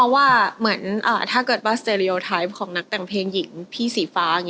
ว่าถ้าเกิดป้าสเตรียวไทป์ของนักแต่งเพลงหญิงพี่สีฟ้า